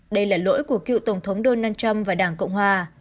đây là lỗi của cựu tổng thống donald trump và đảng cộng hòa